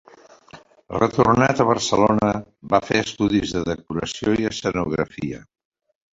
Retornat a Barcelona, va fer estudis de decoració i escenografia.